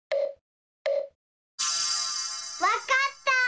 わかった！